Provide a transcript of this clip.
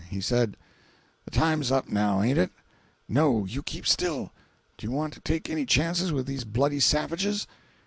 He said: "The time's up, now, aint it?" "No, you keep still. Do you want to take any chances with these bloody savages?"